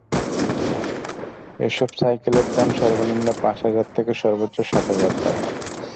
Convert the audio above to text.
এসব সাইকেলের দাম সর্বনিম্ন পাঁচ হাজার থেকে সর্বোচ্চ সাত হাজার টাকা।